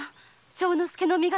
正之助の身が？